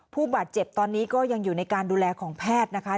ผู้บาดเจ็บตอนนี้ก็ยังอยู่ในการดูแลของแพทย์นะคะ